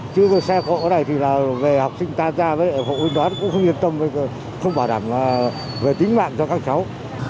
chứ xe khổ ở đây thì là về học sinh tắt ra với phụ huynh đoán cũng không yên tâm không bảo đảm về tính mạng cho các cháu